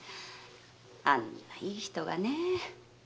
あんないい人がねえ。